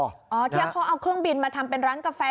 ที่เขาเอาเครื่องบินมาทำเป็นร้านกาแฟ